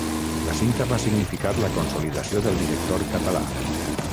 La cinta va significar la consolidació del director català.